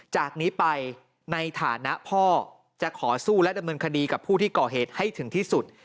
จากนี้ไปในฐานะพ่อจะขอสู้และดำเนินคดีกับผู้ที่ก่อเหตุให้ถึงที่สุด